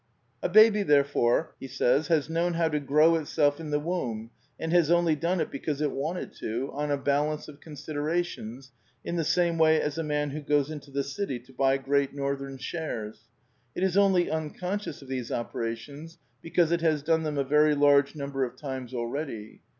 ^'A baby, therefore, has known how to grow itself in the womb and has only done it because it wanted to, on a balance of considerations, in the same way as a man who goes into the city to buy Great Northern shares. ... It is only imconscious of these operations because it has done them a very large num ber of times already.